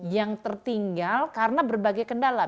yang tertinggal karena berbagai kendala